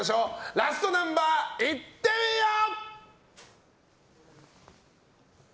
ラストナンバーいってみよう！